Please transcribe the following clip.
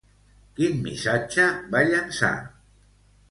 Quin missatge va llançar?